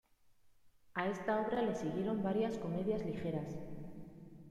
A esta obra le siguieron varias comedias ligeras.